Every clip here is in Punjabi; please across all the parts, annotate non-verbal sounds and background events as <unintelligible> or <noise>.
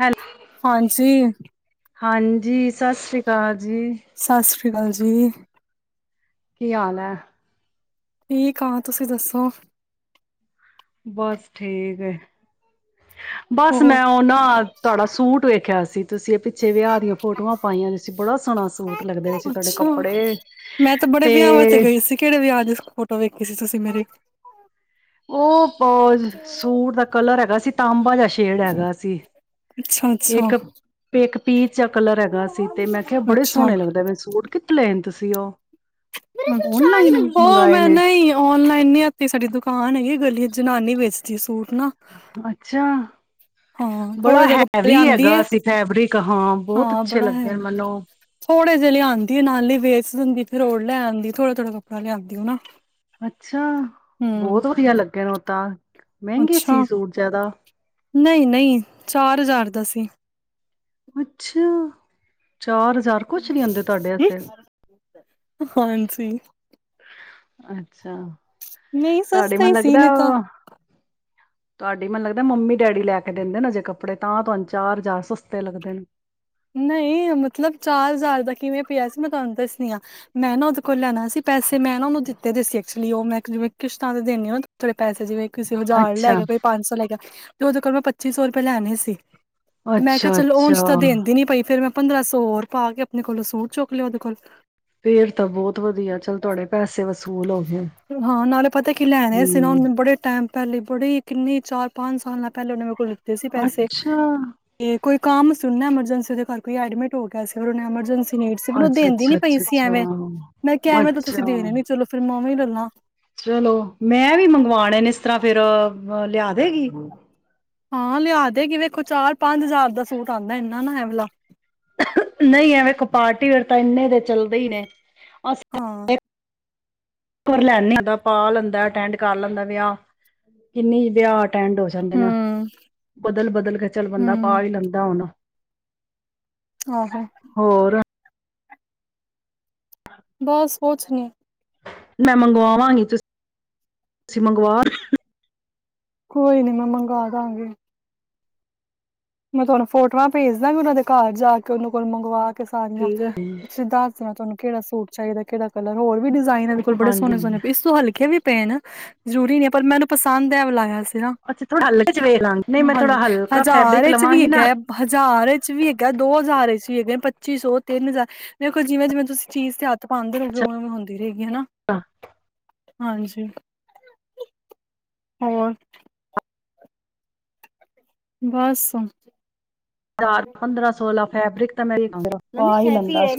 ਹੈਲ ਹਾਂਜੀ। ਹਾਂਜੀ ਸਤਿ ਸ੍ਰੀ ਅਕਾਲ। ਜੀ। ਸਤਿ ਸ੍ਰੀ ਅਕਾਲ ਜੀ। ਕੀ ਹਾਲ ਹੈ। ਠੀਕ ਆ, ਤੁਸੀਂ ਦੱਸੋ। ਬਸ ਠੀਕ ਹੈ। ਬਸ ਹੋਰ ਮੈਂ ਉਹ ਨਾ ਤੁਹਾਡਾ ਸੂਟ ਵੇਖਿਆ ਸੀ ਤੁਸੀਂ ਇਹ ਪਿੱਛੇ ਵਿਆਹ ਦੀਆਂ ਫੋਟੋਆਂ ਪਾਈਆਂ ਦੀਆਂ ਸੀ, ਬੜਾ ਸੋਹਣਾ ਸੀ ਸੂਟ ਲੱਗਦੇ ਸੀ ਤੁਹਾਡੇ ਅੱਛਾ, ਕੱਪੜੇ ਮੈਂ ਤੇ ਬੜੇ ਵਿਆਹਾਂ ਤੇ ਗਈ ਸੀ, ਕਿਹੜੇ ਵਿਆਹ ਦੀ ਫੋਟੋ ਵੇਖੀ ਸੀ ਤੁਸੀਂ ਮੇਰੀ ਉਹ ਸੂਟ ਦਾ ਕਲਰ ਹੈਗਾ ਸੀ ਤਾਮਬਾ ਜ ਸ਼ੇਡ ਹੈਗਾ ਸੀ। ਅੱਛਾ-ਅੱਛਾ, ਇੱਕ, ਇੱਕ ਪੀਚ ਕਲਰ ਹੈਗਾ ਸੀ ਤੇ ਮੈਂ ਕਿਹਾ ਬੜੇ ਅੱਛਾ। ਸੋਹਣੇ ਲੱਗਦੇ ਪੇ ਸੂਟ ਕਿੱਥ ਲੈ ਤੁਸੀ। ਸੀਓ। ਉਹ ਮੈਂ ਨਈ ਔਨਲਾਈਨ ਨੀ ਇਥੇ ਸਾਡੀ ਦੁਕਾਨ ਹੈਗੀ ਗਲੀ ਜਨਾਨੀ ਵੇਚਦੀ ਸੂਟ ਨਾ, ਅੱਛਾ। ਹਾਂ ਥੋੜੇ ਬੜਾ ਜਿਹੇ ਕੱਪੜੇ ਹੈਵੀ ਲਿਆਂਂਦੀ ਹੈਗਾ ਏ, ਸੀ ਫੈਬਰਿਕ ਬਹੁਤ ਹਾਂ ਅੱਛੇ ਬੜਾ ਲੱਗੇ ਹੈਗਾ ਮੈਨੂੰ ਥੋੜੇ ਜਿਹੇ ਲਿਆਦੀ ਨਾਲੇ ਵੇਚ ਦਿੰਦੀ ਫਿਰ ਹੋਰ ਲੈ ਆਂਦੀ ਥੋੜੇ-ਥੋੜੇ ਕੱਪੜ ਲਿਆਦੀਓ ਨਾ। ਅੱਛਾ ਹੂੰ, ਬਹੁਤ ਵਧੀਆ ਲੱਗੇ ਨੇ ਉਹ ਤਾਂ। ਮਹਿੰਗੇ ਅੱਛਾ ਸੀ ਸੂਟ ਜ਼ਿਆਦਾ ਨਹੀਂ-ਨਹੀਂ ਚਾਰ ਹਜ਼ਾਰ ਦਾ ਸੀ। ਅੱਛਾ। ਚਾਰ ਹਜ਼ਾਰ ਕੁਛ ਨੀ ਆਉਂਦੇ ਤੁਹਾਡੇ ਆਸੇ ਹਾਂਜੀ। ਅੱਛਾ। ਨਹੀ ਤੁਹਾਡੇ ਸਸਤਾ ਮੈਨੂੰ ਹੀ ਲੱਗਦਾ ਨਿਤਾ। ਤੁਹਾਡੀ ਮੈਨੂੰ ਲੱਗਦਾ ਮੰਮੀ ਡੈਡੀ ਲੈ ਕੇ ਦਿੰਦੇ ਨੇ ਅਜੇ ਕੱਪੜੇ ਤਾਂ ਤੁਹਾਨੂੰ ਚਾਰ ਹਜ਼ਾਰ ਸਸਤੇ ਲੱਗਦੇ ਨੇ। ਨਹੀ ਮਤਲਬ ਚਾਰ ਹਜ਼ਾਰ ਕਿਵੇ ਪਿਆ ਸੀ ਮੈ ਤੁਹਾਨੂੰ ਦੱਸਣੀ ਆ। ਮੈਂ ਨਾ ਉਹਦੇ ਕੋਲ ਲੈਣਾ ਸੀ ਪੈਸੇ ਮੈ ਨਾ ਉਹਨੂੰ ਦਿੱਤੇ ਦ ਸੀ ਐਕਚੁਲੀ ਉਹ ਮੈਂ ਜਿਵੇ ਕਿਸ਼ਤਾਂ ਦੇ ਦੇਣੀ ਹਾ ਨਾ ਥੋੜੇ ਪੈਸੇ ਜਿਵੇ ਕਿਸੇ ਹਜ਼ਾਰ ਲੈ ਅੱਛਾ ਗਿਆ ਕੋਈ ਪੰਜ ਸੌ ਲੈ ਗਿਆ। ਨੀ ਉਹਦੇ ਕੋ ਮੈ ਪੱਚੀ ਸੌ ਰੁਪਏ ਲੈਣੇ ਸੀ। ਤੇ ਮੈਂ ਕਿਆ ਅੱਛਾ ਚਲੋ, ਉਝ ਅੱਛਾ ਤਾ ਦੇਂਦ ਫਿਰ ਮੈ ਪੰਦਰਾਂ ਸੌ ਔਰ ਪਾ ਕੇ ਆਪਣੇ ਕੋਲੋ, ਸੂਟ ਚੁੱਕ ਲਿਆ ਉਹਦੇ ਕੋਲ। ਫੇਰ ਤਾਂ ਬਹੁਤ ਵਧੀਆ ਚੱਲ ਤੁਹਾਡੇ ਪੈਸੇ ਵਸੂਲ ਹੋ ਗਏ, ਹਾਂ ਨਾਲੇ ਪਤਾ ਕੀ ਲੈਣੇ ਸੀ ਨਾ ਹਮ। ਉਹਨੇ ਬੜੇ ਟਾਈਮ ਪਹਿਲੇ ਬੜੇ, ਕਿੰਨੇ ਚਾਰ ਪੰਜ ਸਾਲਾਂ ਪਹਿਲੇ ਉਨੇ ਮੇਰੇ ਕੋ ਲਿਤੇ ਸੀ ਪੈਸੇ। ਅੱਛਾ ਤੇ ਕੋਈ ਕੰਮ ਸੁਣਨਾ ਐਮਰਜੈਂਸ ਸੀ ਦੇ ਘਰ ਕੋਈ ਐਡਮਿਟ ਹੋ ਗਿਆ ਸੀ ਔਰ ਉਹਨੇ ਐਮਰਜੈਂਸੀ ਚ ਨੀਡ ਸੀ। ਪਨ ਉਹ ਅੱਛਾ ਦੇਂਦੀ ਨੀ ਅੱਛਾ ਪਈ ਅੱਛਾ ਸੀ ਐਵੇਂ, ਮੈ ਕਿਹਾ ਅੱਛਾ ਐਵੇਂ ਤਾਂ ਤੁਸੀਂ ਅੱਛਾ ਦੇਨੇ ਨੀ ਚਲੋ, ਫਿਰ ਮੈਂ ਓਵੇਂ ਹੀ ਲ ਲਾਂ। ਚਲੋ ਮੈਂ ਵੀ ਮੰਗਵਾਣੇ ਨੇ ਇਸ ਤਰ੍ਹਾਂ ਫਿਰ ਲਿਆ ਦੇਗੀ? ਹਾਂ ਲਿਆ ਦੇਗੀ। ਵੇਖੋ ਚਾਰ ਪੰਜ ਹਜ਼ਾਰ ਦਾ ਸੂਟ ਆਂਦਾ ਇਨਾ ਨਾ ਐ ਵਲਾ। ਨਹੀ ਐ ਵੇਖੋ ਪਾਰਟੀ ਵੇਰ ਤਾਂ ਇੰਨੇ ਦੇ ਚੱਲਦੇ ਹੀ ਨੇ। ਅ ਹਾਂ। ਫੇਰ ਲੈਨੇ ਤਾ, ਪਾ ਲੈਂਦਾ ਅਟੈਂਡ ਕਰ ਲੈਂਦਾ ਵਿਆਹ। ਕਿੰਨੀ ਵਿਆਹ ਟੈਂਡ ਹੋ ਜਾਂਦੇ ਨਾ, ਹੂੰ ਬਦਲ ਬਦਲ ਕੇ ਚੱਲ ਬੰਦਾ ਪਾ ਹੂੰ ਈ ਲੈਂਦਾ ਹੁਣ। ਆਹੋ। ਹੋਰ ਬਸ ਕੁੱਛ ਨੀ। ਮੈਂ ਮੰਗਵਾਵਾਂਗੀ, ਤੁਸੀਂ ਮੰਗਵਾ ਕੋਈ ਨੀ ਮੈਂ ਮੰਗਵਾਦਾਂਗੀ। ਮੈਂ ਤੁਆਨੂੰ ਫੋਟੋਆਂ ਭੇਜ ਦਾਂਗੀ, ਉਹਨਾਂ ਦੇ ਘਰ ਜਾ ਕੇ ਉਹਨਾਂ ਕੋਲ ਮੰਗਵਾ ਕੇ ਸਾਰੀਆਂ ਠੀਕ ਹੈ ਦੱਸ ਦੇਆਂ ਤੁਆਨੂੰ ਕਿਹੜਾ ਸੂਟ ਚਾਈਦਾ, ਕਿਹੜਾ ਕਲਰ। ਹੋਰ ਵੀ ਡਿਜ਼ ਆਇਨ ਇਦੇ ਬੜੇ ਹਾਂਜੀ ਸੋਣੇ ਹਾਂਜੀ ਸੋਣੇੇ। ਇਸ ਤੋਂ ਹਲਕੇ ਵੀ ਪਏ ਨ। ਜ਼ਰੂਰੀ ਨਹੀਂ ਪਰ ਮੈਨੂੰ ਪਸੰਦ ਐ ਵਾਲਾ ਆਇਆ ਸੀ। ਨਾ ਅੱਛਾ ਥੋੜਾ ਹਲਕਾ ਚ ਵੈਖਲਾਂਗੀ। ਨਹੀਂ ਮੈਂ ਥੋੜਾ ਹਲਕਾ ਫੈਬਰਿਕ ਲਵਾਂ ਚ ਵੀ ਹੈਗਾ, ਹਜ਼ਾਰ ਇਚ ਵੀ ਹੈਗਾ, ਦੋ ਹਜ਼ਾਰ ਰ ਇਚ ਵੀ ਹੈਗਾਐ, ਪੱਚੀ ਸੌ, ਤਿੰਨ ਹਜ਼ਾਰ। ਦੇਖੋ ਜਿਵੇਂ ਜਿਵੇਂ ਤੁਸੀਂ ਚੀਜ਼ ਤੇ ਹੱਥ ਪਾਂਦੇ ਰੋਗੇ, ਉਵੇਂ ਓਵੇਂ ਹੁੰਦੀ ਰੇਗੀ, ਹੈਨਾ। ਆ। ਹਾਂਜੀ। ਹੋਰ। ਬੱਸ। ਹਜ਼ਾਰ, ਪੰਦਰਾਂ ਸੋਲਾ ਫੈਬਰਿਕ <unintelligible> ਪਾ ਈ ਲੈਂਦਾ ਸੀ।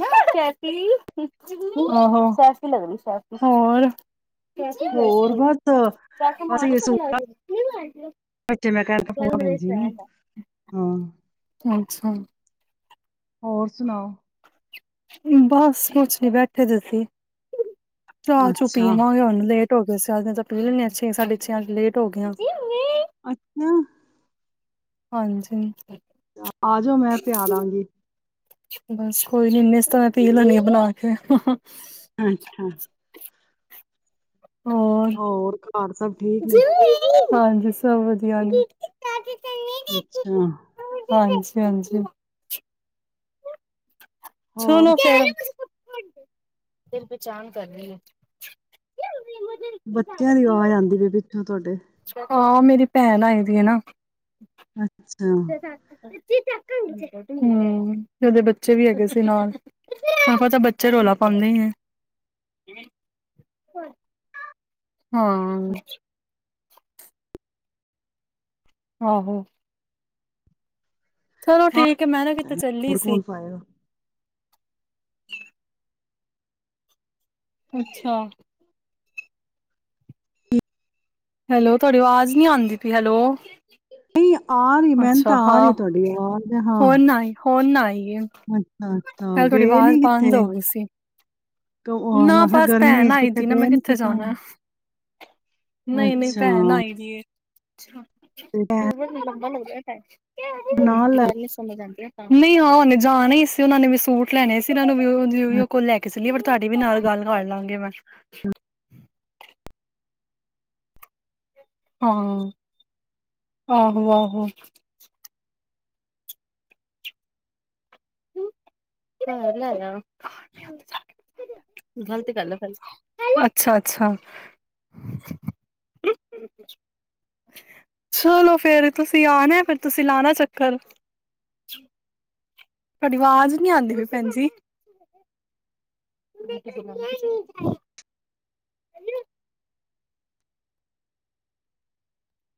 ਸੈ਼ਫੀ, ਸੈ਼ਫ ਹੋਰ। ਬਸ ਇਹ ਸੂਟ ਜੀ। ਬੱਚੇ ਮੈਂ ਕਹਿਤਾ ਫੋਨ ਭੈਣ ਜੀ ਨੂੰ ਹਾਂ। ਅੱਛਾ ਹੋਰ ਸੁਣਾਓ। ਬਸ ਕੁਛ ਨਹੀਂ ਬੈਠੇ ਸੀ ਅਸੀਂ। ਚਾਹ ਚੂ ਅੱਛਾ, ਪੀਵਾਂਗੇ ਉਹਨੂੰ ਤੇ ਹੋ ਗਏ <unintelligible> ਛੇ ਸਾਡੇ ਛੇ ਅੱਜ ਲੇਟ ਹੋ ਗਏ ਆ। ਅੱਛਾ। ਹਾਂਜੀ। ਆ ਜਾਓ, ਮੈਂ ਪਿਆ ਦਵਾਂਗੀ। ਬਸ ਕੋਈ ਨਹੀਂ ਉਹਨੇ ਇਸ ਤਰ੍ਹਾਂ ਪੀ ਲੈਣੀ ਆ ਬਣਾ ਕੇ। ਅੱਛਾ। ਹੋਰ ਹੋਰ ਘਰ ਸਭ ਠੀਕ ਨੇ। ਹਾਂਜੀ ਸਭ ਵਧੀਆ ਜੀ। ਅੱਛਾ। ਹਾਂਜੀ- ਹਾਂਜੀ। ਹੋਰ ਚਲੋ ਫਿਰ ਫਿਰ ਪਹਿਚਾਣ ਕਰ ਰਹੀ ਹੈ। ਬੱਚਿਆਂ ਦੀ ਆਵਾਜ਼ ਆਉਂਦੀ ਪਈ ਪਿੱਛੋਂ ਤੁਹਾਡੇ। ਹਾਂ। ਮੇਰੀ ਭੈਣ ਆਈ ਦੀ ਆ ਨਾ। ਅੱਛਾ। <unintelligible> ਹੂੰ। ਤੇ ਉਹਦੇ ਬੱਚੇ ਵੀ ਹੈਗੇ ਸੀ ਨਾਲ <unintelligible> ਤਾਂ ਬੱਚੇ ਰੌਲਾ ਪਾਉਂਦੇ ਹੀ ਆ। ਹਾਂ। ਆਹੋ। ਚਲੋ ਹਾਂ, ਠੀਕ ਹੈ। ਮੈਂ ਨਾ ਕਿਤੇ ਚੱਲੀ ਹੋਰ ਸੀ। ਕੌਣ ਪਾਏਗਾ? ਅੱਛਾ। ਹੈਲੋ, ਤੁਹਾਡੀ ਆਵਾਜ਼ ਨਹੀਂ ਆਉਂਦੀ ਪਈ ਹੈਲੋ। <unintelligible> ਆ ਰਹੀ, ਮੈਂਨੂੰ ਅੱਛਾ ਤਾਂ ਆ ਰਹੀ ਹਾਂ। ਤੁਹਾਡੀ ਆਵਾਜ਼ ਹਾਂ। ਹੁਣ ਨਾ ਆਈ ਹੁਣ ਨਾ ਆਈ ਏ ਅੱਛਾ-ਅੱਛਾ ਪਹਿਲੇ ਤੁਹਾਡੀ ਗਏ ਆਵਾਜ਼ ਨਹੀਂ ਕਿੱਥੇ? ਬੰਦ ਹੋ ਗਈ ਸੀ। ਤੇ ਉਹ ਨਾ ਮੈਂ ਕਿਹਾ ਬਸ ਗਰਮੀਆਂ ਭੈਣ ਚ ਆਈ ਕਿਥੇ ਦੀ ਗਏ ਨਹੀਂ। ਨਹੀਂ ਨਹੀਂ ਭੈਣ ਆਈ ਜੈ। ਅੱਛਾ। ਤੇ ਤ <unintelligible> ਫ਼ਿਰ ਮੈਂ ਭੈਣ ਹੂੰ। ਨਾਲ ਲੈ ਗੱਲ ਸਮਝ ਆਉਂਦੀ ਆ। ਨਹੀਂ ਹਾਂ ਉਹਨੇ ਜਾਣਾ ਹੀ ਸੀ ਉਹਨਾ ਨੇ ਵੀ ਸੂਟ ਲੈਣੇ ਸੀ ਤੁਹਾਨੂੰ ਓ ਕੋਲ ਲੈ ਕੇ ਨਹੀਂ ਫੇਰ ਤੁਹਾਡੀ ਵੀ ਨਾਲ ਗੱਲ ਕਰ ਲਵਾਂਗੇ ਮੈਂ ਹਾਂ ਆਹੋ ਆਹੋ ਗਲ ਗ ਅੱਛਾ ਅੱਛਾ ਚਲੋ ਫਰ ਤੁਸੀਂ ਆਣਾ ਫਿਰ ਤੁਸੀ ਲਾਣਾ ਚੱਕਰ ਤੁਹਾਡੀ ਆਵਾਜ਼ ਨਹੀਂ ਆਉਂਦੀ ਹੋਈ ਭੈਣ ਜੀ <inaudible> ਕ